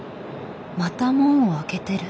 また門を開けてる。